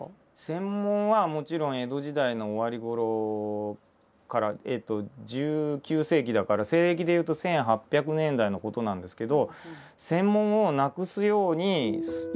専門はもちろん江戸時代の終わりごろから１９世紀だから西暦でいうと１８００年代のことなんですけど。